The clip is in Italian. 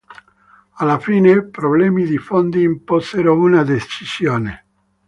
Alla fine, problemi di fondi imposero una decisione.